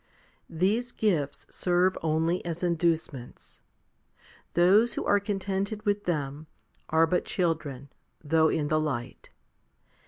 1 These gifts serve only as inducements. Those who are contented with them, are but children, though in the light.